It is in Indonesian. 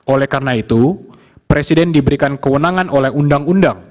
oleh karena itu presiden diberikan kewenangan oleh undang undang